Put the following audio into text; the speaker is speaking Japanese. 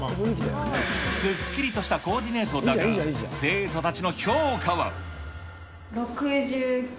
すっきりとしたコーディネートだが、生徒たちの評価は。